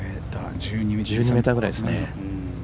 １２ｍぐらいですね。